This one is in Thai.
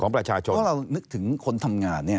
เพราะเรานึกถึงคนทำงานเนี่ย